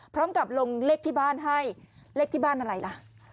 พร้อมกับลงเลขที่บ้านให้เลขที่บ้านอะไรล่ะ